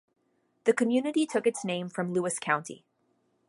The community took its name from Lewis County.